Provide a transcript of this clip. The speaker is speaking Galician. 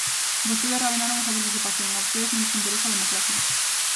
Vostedes rabenaron esa participación, a vostedes non lles interesa a democracia.